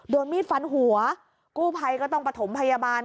โดนมีดฟันหัวกู้ภัยก็ต้องประถมพยาบาล